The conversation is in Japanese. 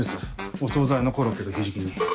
お総菜のコロッケとひじき煮。